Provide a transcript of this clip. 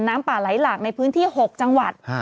น้ำป่าไหลหลากในพื้นที่๖จังหวัด